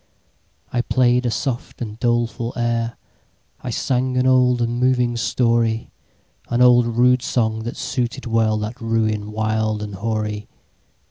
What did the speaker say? I play'd a soft and doleful air,I sang an old and moving story—An old rude song, that suited wellThat ruin wild and hoary.